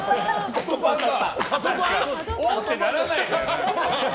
おー！ってならないのよ。